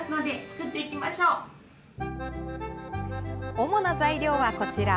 主な材料はこちら。